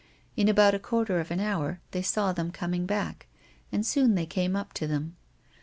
In about a quarter of an hour they saw them coining back, and soon they came up to them.